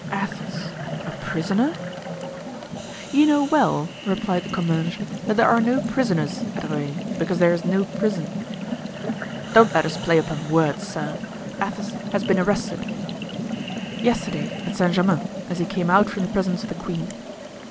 "Athos—a prisoner?" "You know well," replied De Comminges, "that there are no prisoners at Rueil, because there is no prison." "Don't let us play upon words, sir. Athos has been arrested." "Yesterday, at Saint Germain, as he came out from the presence of the queen."